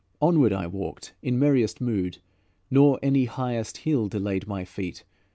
Onward I walked in merriest mood Nor any highest hill delayed My feet.